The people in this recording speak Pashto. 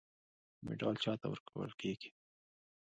مډال چا ته ورکول کیږي؟